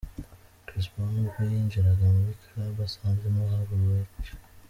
Chris Brown ubwo yinjiraga muri club asanzemo Karrueche.